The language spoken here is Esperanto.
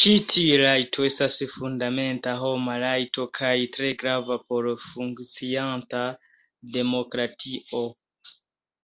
Ĉi tiu rajto estas fundamenta homa rajto kaj tre grava por funkcianta demokratio.